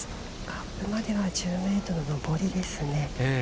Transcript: カップまでは１０メートル上りですね。